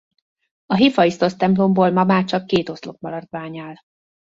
A Héphaisztosz-templomból ma már csak két oszlop-maradvány áll.